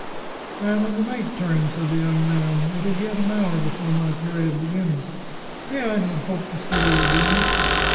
"I am on the night turn," said the young man; "it is yet an hour before my period begins. May I not hope to see you again?"